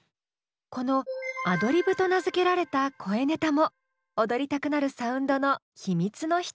このアドリブと名付けられた声ネタも踊りたくなるサウンドの秘密の一つ。